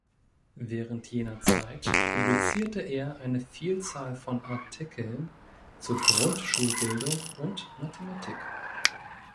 Während jener Zeit publizierte er eine Vielzahl von Artikeln zur Grundschulbildung und Mathematik.